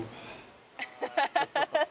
ハハハハ！